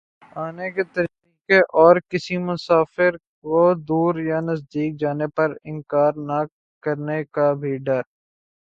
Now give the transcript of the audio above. آنے کے طریقے اور کسی مسافر کودور یا نزدیک جانے پر انکار نہ کرنے کا بھی در